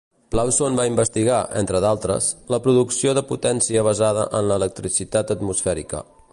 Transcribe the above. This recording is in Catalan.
Plauson va investigar, entre d'altres, la producció de potència basada en l'electricitat atmosfèrica.